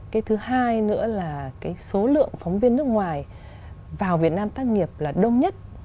cái thứ hai nữa là cái số lượng phóng viên nước ngoài vào việt nam tác nghiệp là đông nhất